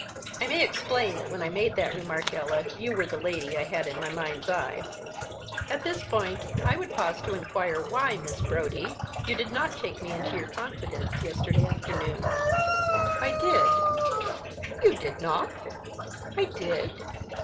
I may explain that when I made that remark, Ella, you were the lady I had in my mind's eye. At this point I would pause to inquire why, Miss Brodie, you did not take me into your confidence yesterday afternoon?" "I did." "You did not." "I did."